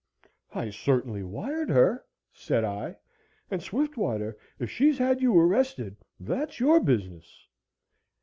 "I certainly wired her," said I, "and, Swiftwater, if she's had you arrested that's your business."